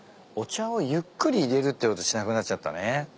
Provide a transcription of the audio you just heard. お茶をゆっくり入れるってことしなくなっちゃったね。